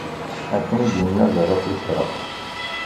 Akka i d-inna Zarathustra.